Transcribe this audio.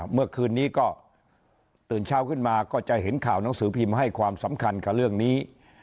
เมื่อคืนนี้ก็ตื่นเช้าขึ้นมาก็จะเห็นข่าวหนังสือพิมพ์ให้ความสำคัญกับเรื่องนี้